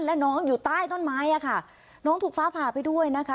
และน้องอยู่ใต้ต้นไม้อ่ะค่ะน้องถูกฟ้าผ่าไปด้วยนะคะ